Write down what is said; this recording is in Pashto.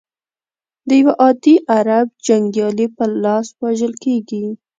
د یوه عادي عرب جنګیالي په لاس وژل کیږي.